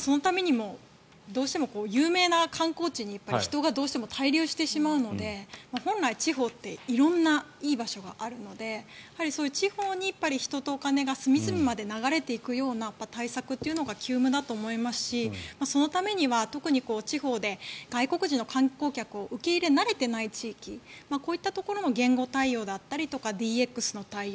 そのためにもどうしても有名な観光地に人がどうしても滞留してしまうので本来、地方って色んないい場所があるのでそういう地方に人とお金が隅々まで流れていくような対策というのが急務だと思いますしそのためには特に地方で外国人の観光客を受け入れ慣れていない地域こういったところの言語対応だったりＤＸの対応